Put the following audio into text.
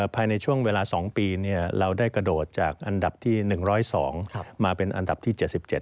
ภายในช่วงเวลา๒ปีเราได้กระโดดจากอันดับที่๑๐๒มาเป็นอันดับที่๗๗